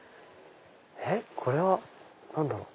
これは何だろう？